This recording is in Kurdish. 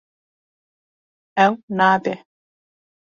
Ew nabe.